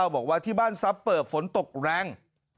บอกว่าที่บ้านซับเปิบฝนตกแรง